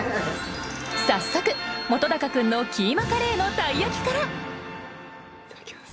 早速本君のキーマカレーのたい焼きからいただきます。